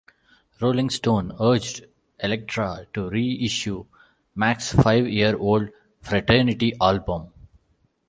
"Rolling Stone" urged Elektra to reissue Mack's five-year-old Fraternity album.